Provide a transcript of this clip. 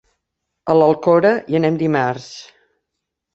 A l'Alcora hi anem dimarts.